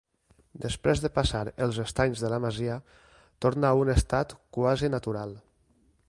Després de passar els estanys de la masia, torna a un estat quasi natural.